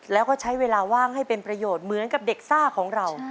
แล้วก็ใช้เวลาว่างให้เป็นประโยชน์เหมือนกับเด็กซ่าของเรา